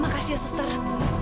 makasih ya sustara